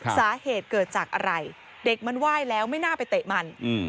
สาเหตุเกิดจากอะไรเด็กมันไหว้แล้วไม่น่าไปเตะมัน